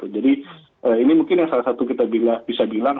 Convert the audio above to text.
jadi ini mungkin yang salah satu kita bisa bilang